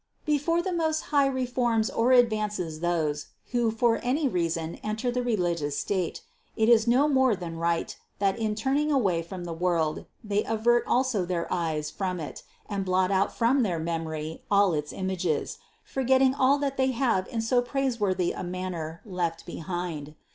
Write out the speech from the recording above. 428. Before the Most High reforms or advances those, who for any reason enter the religious state, it is no more than right, that in turning away from the world they avert also their eyes from it and blot out from their memory all its images, forgetting all that they have in so praiseworthy a manner left behind.